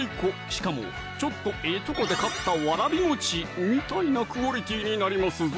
しかもちょっとええとこで買ったわらびみたいなクオリティーになりますぞ！